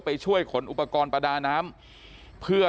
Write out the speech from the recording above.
พี่บูรำนี้ลงมาแล้ว